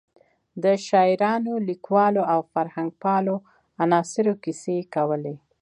د شاعرانو، لیکوالو او فرهنګپالو عناصرو کیسې کولې.